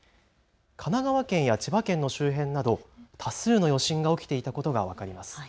神奈川県や千葉県の周辺など多数の余震が起きていたことが分かります。